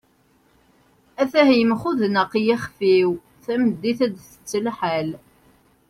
at-ah yemxudneq yixef-iw, tameddit ad tett lḥal